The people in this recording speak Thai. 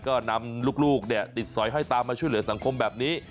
ก็นำลูกติดสอยห้อยตามมาช่วยเหลือสังคมแบบนี้